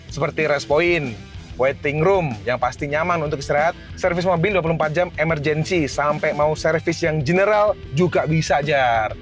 seperti res point waiting room yang pasti nyaman untuk istirahat servis mobil dua puluh empat jam emergensi sampai mau service yang general juga bisa ajar